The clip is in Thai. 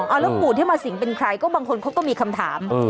เอาแล้วปู่ที่มาสิงเป็นใครก็บางคนเขาก็มีคำถาม